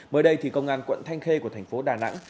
mới đây thì công an quận thanh khê của thành phố đà nẵng